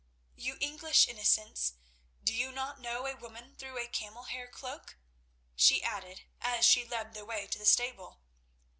you English innocents, do you not know a woman through a camel hair cloak?" she added as she led the way to the stable.